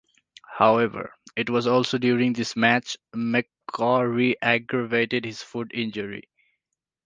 However, it was also during this match McCaw re-aggravated his foot injury.